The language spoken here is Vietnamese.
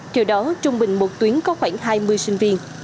theo đó trung bình một tuyến có khoảng hai mươi sinh viên